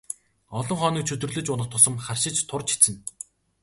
Олон хоног чөдөрлөж унах тусам харшиж турж эцнэ.